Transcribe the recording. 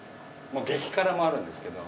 激辛もあるんですけど。